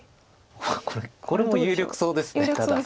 これこれも有力そうですただ。